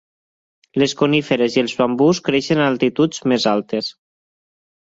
Les coníferes i els bambús creixen a altituds més altes.